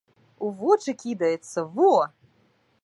У вочы кідаецца, во!